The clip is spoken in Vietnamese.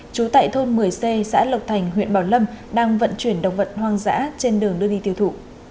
trú tại thôn một mươi c xã lộc thành huyện bảo lâm đang vận chuyển động vật hoang dã trên đường đưa đi tiêu thụ